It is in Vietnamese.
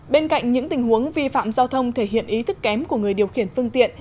bên cạnh những tình huống vi phạm giao thông thể hiện ý thức kém của người điều khiển phương tiện